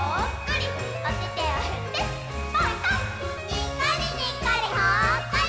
にっこりにっこりほっこり！